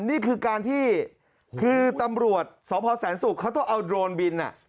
นี่คือการที่คือตำรวจสพแสนศุกร์เขาต้องเอาโดรนบิน